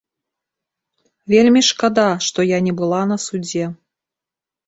Вельмі шкада, што я не была на судзе.